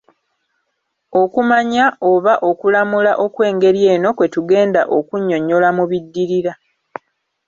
Okumanya oba okulamula okw'engeri eno kwe tugenda okunnyonnyola mu biddirira.